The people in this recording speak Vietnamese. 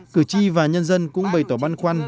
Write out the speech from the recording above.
cử tri và nhân dân cũng bày tỏ băn khoăn